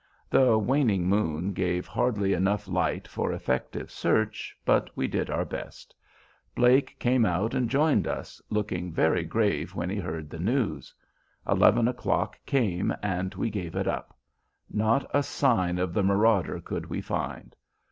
The waning moon gave hardly enough light for effective search, but we did our best. Blake came out and joined us, looking very grave when he heard the news. Eleven o'clock came, and we gave it up. Not a sign of the marauder could we find.